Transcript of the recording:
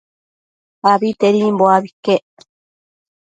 Abitedimbo abi iquec